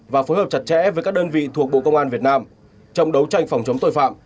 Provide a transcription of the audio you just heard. và phối hợp chặt chẽ với các đơn vị thuộc bộ công an việt nam trong đấu tranh phòng chống tội phạm